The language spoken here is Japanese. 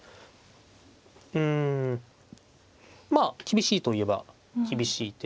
うんまあ厳しいといえば厳しい手。